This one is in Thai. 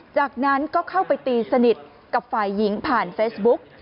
จากนั้นก็เข้าไปตีสนิทกับฝ่ายหญิงผ่านเฟซบุ๊ก